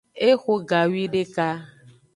Exo gawideka.